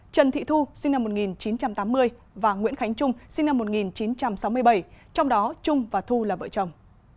trần thị thu sinh năm một nghìn chín trăm tám mươi và nguyễn khánh trung sinh năm một nghìn chín trăm sáu mươi bảy trong đó trung và thu là vợ chồng